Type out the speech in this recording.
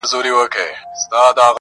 دا زړه نه دی په کوګل کي مي سور اور دی؛